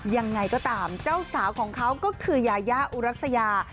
ยังไงก็ตามเจ้าสาวของเขาก็คือยายาอุรัสยา